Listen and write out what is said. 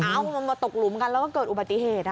เอามันมาตกหลุมกันแล้วก็เกิดอุบัติเหตุ